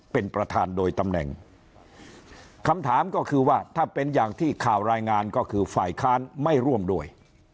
เป็นประธานโดยตำแหน่งคำถามก็คือว่าถ้าเป็นอย่างที่ข่าวรายงานก็คือฝ่ายค้านไม่ร่วมด้วย